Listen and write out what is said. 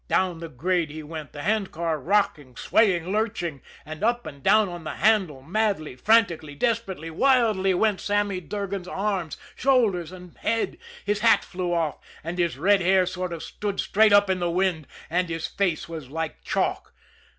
Down the grade he went, the handcar rocking, swaying, lurching, and up and down on the handle, madly, frantically, desperately, wildly went Sammy Durgan's arms, shoulders and head his hat blew off, and his red hair sort of stood straight up in the wind, and his face was like chalk.